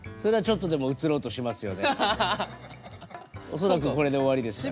恐らくこれで終わりですから。